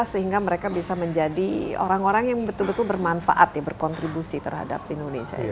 sehingga mereka bisa menjadi orang orang yang betul betul bermanfaat ya berkontribusi terhadap indonesia